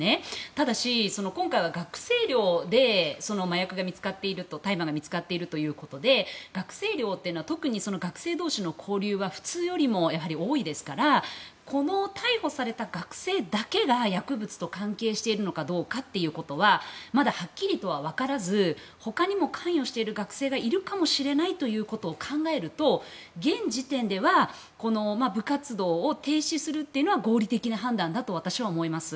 ただし、今回は学生寮で大麻が見つかっているということで学生寮というのは特に学生同士の交流は普通よりも多いですからこの逮捕された学生だけが薬物と関係しているのかどうかということはまだはっきりとは分からず他にも関与している学生がいるかもしれないということを考えると現時点では部活動を停止するというのは合理的な判断だと私は思います。